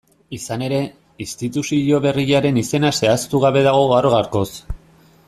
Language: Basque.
Izan ere, instituzio berriaren izena zehaztugabe dago gaur-gaurkoz.